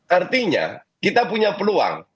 artinya kita punya peluang